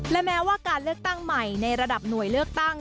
และแม้ว่าการเลือกตั้งใหม่ในระดับหน่วยเลือกตั้ง